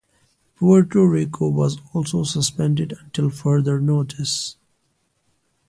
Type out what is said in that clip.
Puerto Rico was also suspended until further notice.